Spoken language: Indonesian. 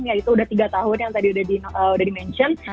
ya itu udah tiga tahun yang tadi udah di mention